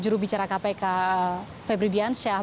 jurubicara kpk febri diansyah